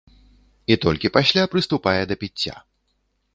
І толькі пасля прыступае да піцця.